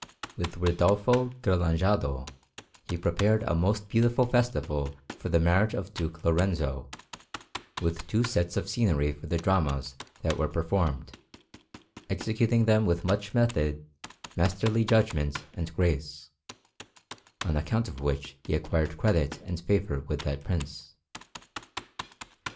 With Ridolfo Ghirlandajo he prepared a most beautiful festival for the marriage of Duke Lorenzo, with two sets of scenery for the dramas that were performed, executing them with much method, masterly judgment, and grace; on account of which he acquired credit and favour with that Prince.